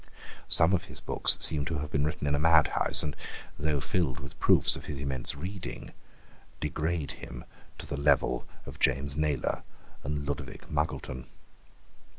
Some of his books seem to have been written in a madhouse, and, though filled with proofs of his immense reading, degrade him to the level of James Naylor and Ludowick Muggleton.